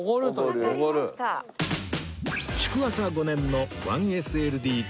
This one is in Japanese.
築浅５年の １ＳＬＤＫ